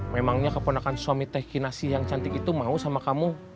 memangnya keponakan suami teh kinasi yang cantik itu mau sama kamu